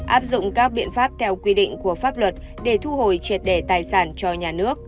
áp dụng các biện pháp theo quy định của pháp luật để thu hồi triệt đề tài sản cho nhà nước